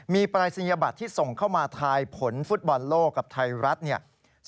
มีปรายศนียบัตรที่ส่งเข้ามาทายผลฟุตบอลโลกกับไทยรัฐเนี่ย